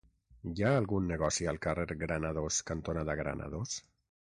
Hi ha algun negoci al carrer Granados cantonada Granados?